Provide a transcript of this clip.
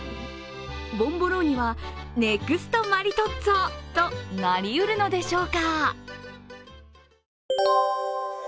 ボンボローニはネクストマリトッツォとなりうるのでしょうか？